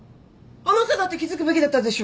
あなただって気付くべきだったでしょ？